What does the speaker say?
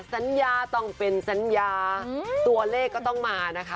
สัญญาต้องเป็นสัญญาตัวเลขก็ต้องมานะคะ